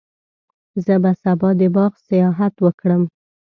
زه به سبا د باغ سیاحت وکړم.